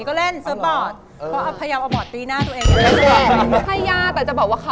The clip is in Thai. คุณเป็นเพื่อนกันในเรื่องของบอตยังไงคะ